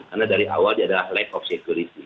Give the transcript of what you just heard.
karena dari awal dia adalah lack of security